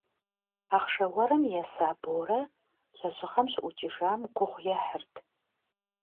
Ахъшэ уэрым еса Борэ лэжьыгъэм щыӏукӏыжам гугъу ехьырт.